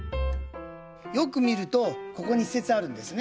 よく見るとここに１節あるんですね。